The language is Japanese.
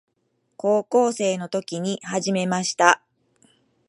高校生の時に始めました。